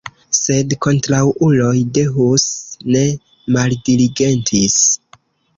Sed kontraŭuloj de Hus ne maldiligentis.